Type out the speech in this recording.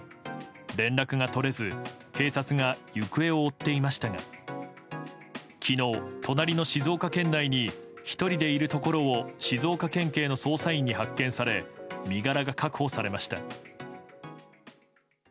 連絡が取れず警察が行方を追っていましたが昨日、隣の静岡県内に１人でいるところを静岡県警の捜査員に発見され身柄が確保されました。